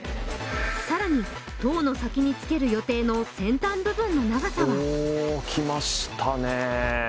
さらに塔の先につける予定の先端部分の長さはおおきましたね